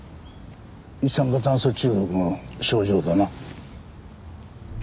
一酸化炭素中毒の症状だな。